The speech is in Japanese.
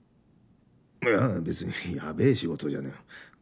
いや別にやべえ仕事じゃねえ。